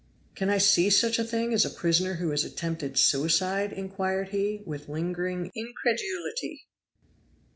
"Can I see such a thing as a prisoner who has attempted suicide?" inquired he, with lingering incredulity.